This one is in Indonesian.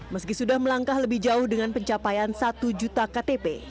meski sudah melangkah lebih jauh dengan pencapaian satu juta ktp